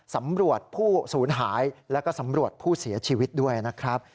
สำรวจผู้สูญหายแล้วก็สำรวจผู้เสียชีวิตด้วยนะครับ